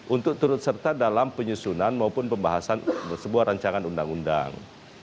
untuk turut serta dalam penyusunan maupun pembahasan sebuah rancangan undang undang